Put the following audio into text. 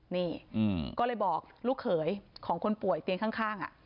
นี่ก็เลยบอกลูกเขยของคนป่วยเตียงข้าง